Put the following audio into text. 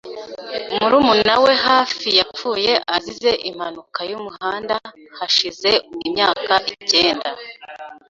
Murumuna we hafi yapfuye azize impanuka yumuhanda hashize imyaka icyenda .